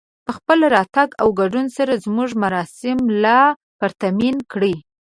په خپل راتګ او ګډون سره زموږ مراسم لا پرتمين کړئ